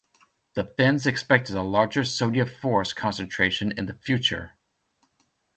The Finns expected a larger Soviet force concentration in the future.